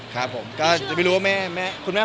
อยากจะร่วมตัว